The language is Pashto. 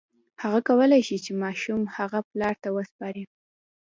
هغه کولی شي چې ماشوم هغه پلار ته وسپاري.